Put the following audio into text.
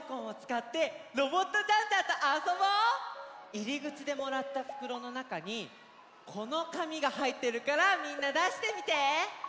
いりぐちでもらったふくろのなかにこのかみがはいってるからみんなだしてみて！